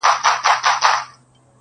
د موږك او د پيشو په منځ كي څه دي؛